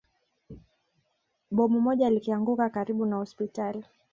Bomu moja likianguka karibu na hospitali